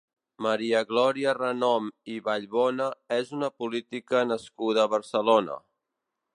Maria Glòria Renom i Vallbona és una política nascuda a Barcelona.